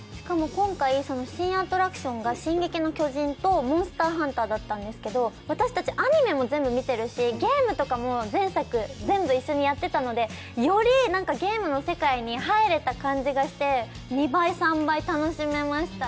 今回、新アトラクションが「進撃の巨人」と「モンスターハンター」だったんですけど、私たちアニメも全部見ているし、ゲームも全作やってたのでよりゲームの世界に入れた感じがして２倍、３倍、楽しめました。